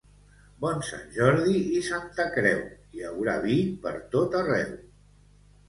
Bon Sant Jordi i Santa Creu, hi haurà vi per tot arreu.